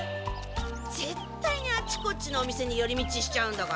絶対にあっちこっちのお店に寄り道しちゃうんだから。